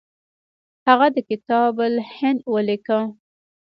هغه د کتاب الهند ولیکه.